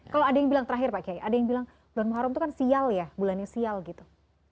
kalau ada yang bilang terakhir pak kiai ada yang bilang bulan muharrem itu kan sial ya bulannya sial gitu